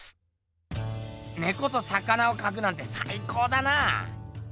猫と魚をかくなんてさい高だな。